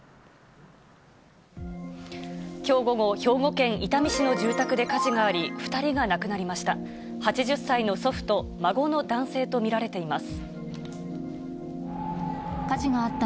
きょう午後、兵庫県伊丹市の住宅で火事があり、２人が亡くなりました。